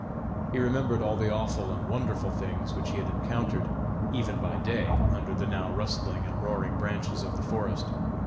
He remembered all the awful and wonderful things which he had encountered, even by day, under the now rustling and roaring branches of the forest.